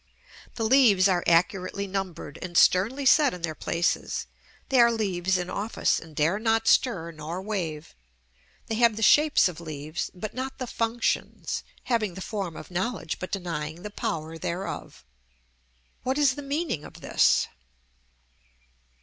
The leaves are accurately numbered, and sternly set in their places; they are leaves in office, and dare not stir nor wave. They have the shapes of leaves, but not the functions, "having the form of knowledge, but denying the power thereof." What is the meaning of this?